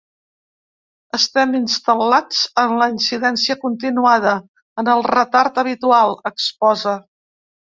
“Estem instal·lats en la incidència continuada, en el retard habitual”, exposa.